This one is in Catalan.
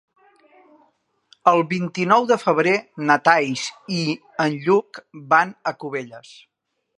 El vint-i-nou de febrer na Thaís i en Lluc van a Cubelles.